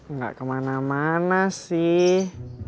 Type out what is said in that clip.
nggak ke mana mana sih